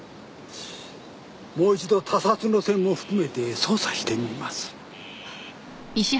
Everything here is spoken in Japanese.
もう一度他殺の線も含めて捜査してみます。